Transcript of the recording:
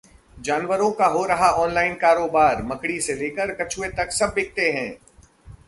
जानवरों का हो रहा ऑनलाइन कारोबार, मकड़ी से लेकर कछुए तक सब बिकते हैं